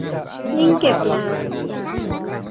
ยิ่งเก็บนาน